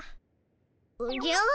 おじゃ。